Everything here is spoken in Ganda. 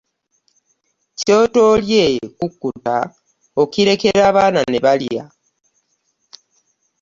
Ky'otolye kukutta okirekera abaana nebalya,